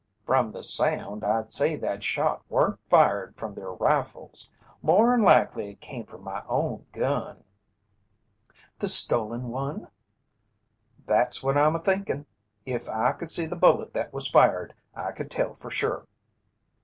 "From the sound, I'd say that shot weren't fired from their rifles. More'n likely it came from my own gun!" "The stolen one?" "That's what I'm a thinkin'. If I could see the bullet that was fired, I could tell fer sure."